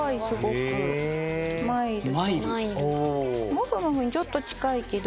「もふもふ」にちょっと近いけど。